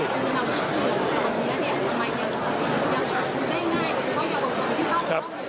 นะครับ